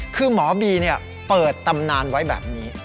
คือหมอบีเปิดตำนานไว้แบบนี้